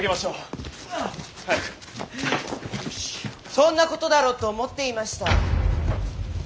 そんなことだろうと思っていました。